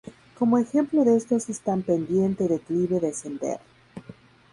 Como ejemplo de esto están 阪, ‘pendiente’; 陀, ‘declive’; 降, ‘descender’.